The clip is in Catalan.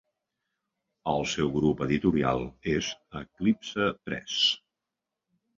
El seu grup editorial és Eclipse Press.